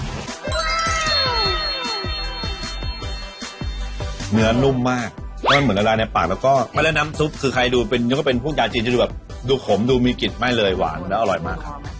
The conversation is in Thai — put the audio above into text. เนื้อนุ่มมากมันเหมือนละลายในปากแล้วก็แล้วน้ำซุปคือใครดูยังเป็นผู้กาจีนจะดูแบบดูขมดูมีกลิ่นไม่เลยหวานแล้วอร่อยมากค่ะ